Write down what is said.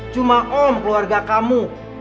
cuma om keluarga kamu